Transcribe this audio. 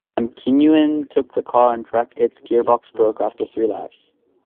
When Kinnunen took the car on track, its gearbox broke after three laps.